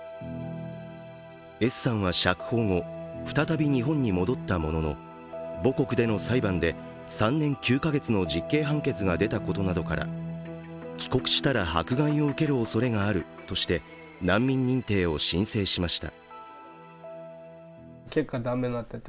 Ｓさんは釈放後、再び日本に戻ったものの母国での裁判で３年９か月の実刑判決が出たことなどから帰国したら迫害を受けるおそれがあるとして難民認定を申請しました。